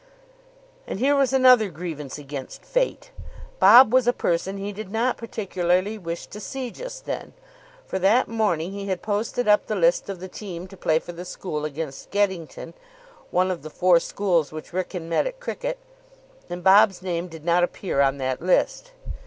And here was another grievance against fate. Bob was a person he did not particularly wish to see just then. For that morning he had posted up the list of the team to play for the school against Geddington, one of the four schools which Wrykyn met at cricket; and Bob's name did not appear on that list.